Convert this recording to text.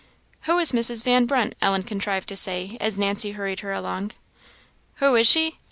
"Who is Mrs. Van Brunt?" Ellen contrived to say, as Nancy hurried her along, "Who is she?